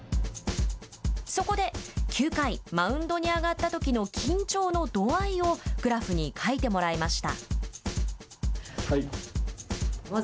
そこで、９回マウンドに上がったときの緊張の度合いをグラフに書いてもらいました。